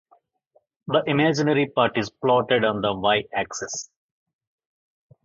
The imaginary part is plotted on the Y axis.